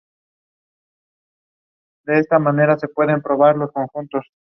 Es aquel Oficial General Inspector que sigue en jerarquía al General Director.